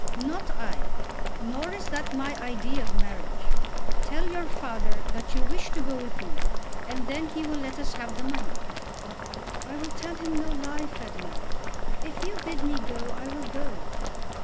"Not I. Nor is that my idea of marriage. Tell your father that you wish to go with me, and then he will let us have the money." "I will tell him no lie, Ferdinand. If you bid me go, I will go.